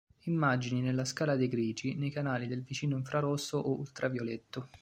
Immagini nella scala dei grigi nei canali del vicino infrarosso o ultravioletto.